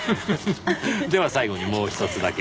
では最後にもうひとつだけ。